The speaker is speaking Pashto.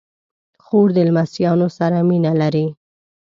خور د لمسيانو سره مینه لري.